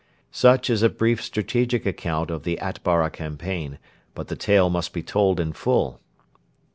Such is a brief strategic account of the Atbara campaign; but the tale must be told in full.